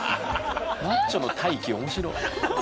マッチョの待機面白っ！